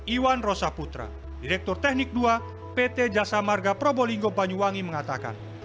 iwan rosa putra direktur teknik dua pt jasa marga probolinggo banyuwangi mengatakan